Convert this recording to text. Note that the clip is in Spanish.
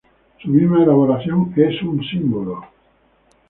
Su misma elaboración es un símbolo.